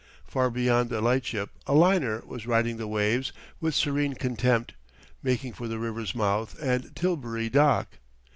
Far beyond the lightship a liner was riding the waves with serene contempt, making for the river's mouth and Tilbury Dock.